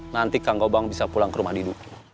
nanti kang gobang bisa pulang ke rumah didukung